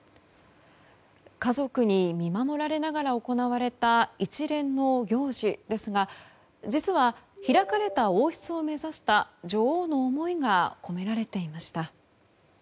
家族に見守れながら行われた一連の行事ですが実は、開かれた王室を目指した女王の思いが込められていました。